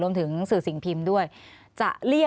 รวมถึงสื่อสิ่งพิมพ์ด้วย